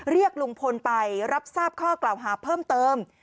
เรียกลุงพลไปรับทราบข้อกล่าวหาเพิ่มเติม